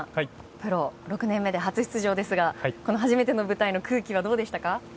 プロ６年目で初出場でしたがこの初めての舞台の空気はどうでしたか？